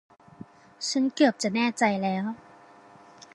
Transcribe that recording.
ฉันเกือบจะแน่ใจแล้ว